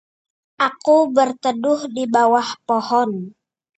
aku berteduh di bawah pohon